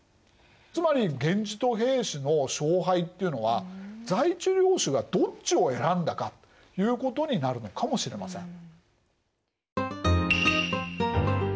つまり源氏と平氏の勝敗っていうのは在地領主がどっちを選んだかということになるのかもしれません。